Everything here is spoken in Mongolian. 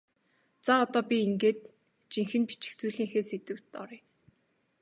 За одоо би ингээд жинхэнэ бичих зүйлийнхээ сэдэвт оръё.